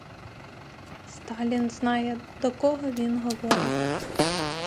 Сталін знає, до кого він говорить.